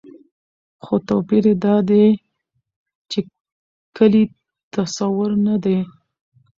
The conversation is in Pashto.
خو توپير يې دا دى، چې کلي تصور نه دى